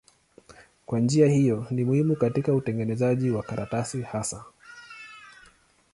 Kwa njia hiyo ni muhimu katika utengenezaji wa karatasi hasa.